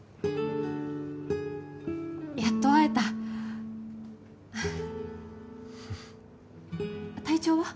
やっと会えた体調は？